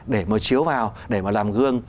để mà chiếu vào để mà làm gương